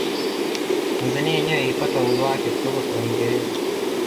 Tanzania yenyewe ilipata uhuru wake kutoka kwa Uingereza